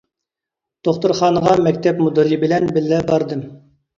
دوختۇرخانىغا مەكتەپ مۇدىرى بىلەن بىللە باردىم.